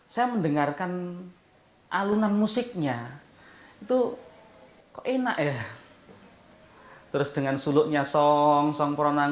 saya mendengarkan alunan musiknya itu enak ya hai terus dengan suluknya song song pronang